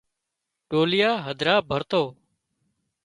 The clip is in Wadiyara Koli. ڍوليا هڌرا ڀرتو